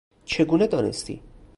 چگونه دانستی؟